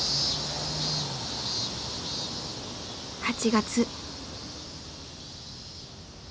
８月。